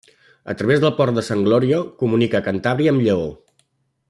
A través del Port de Sant Glorio, comunica a Cantàbria amb Lleó.